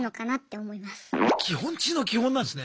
基本中の基本なんですね。